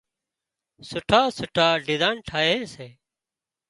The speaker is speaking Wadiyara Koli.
سُٺا سُٺا ڊزائين ٺاهي سي